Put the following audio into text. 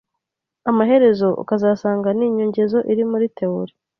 amaherezo ukazasanga ni inyongezo iri muri theorie